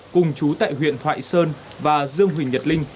cùng chú tại huyện thoại sơn và dương huỳnh nhật linh